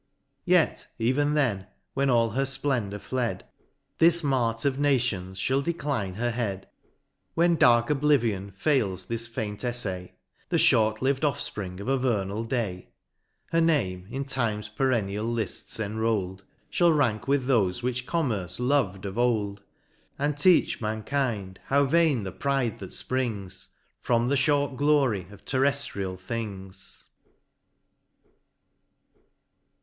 — Yet even then, when all her fplendor fled. This mart of nations fliall decline her head, When dark oblivion veils this faint eflay, (The fhort liv'd offspring of a vernal day) Her name, in time's perennial lifts enroll'd. Shall rank with thofe which Commerce lov'd of old ; And teach mankind, how vain the pride, that fprings From the fhort glory of terreftrial things.